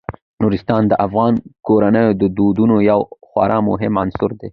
نورستان د افغان کورنیو د دودونو یو خورا مهم عنصر دی.